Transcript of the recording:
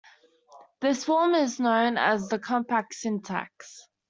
This form is known as the compact syntax.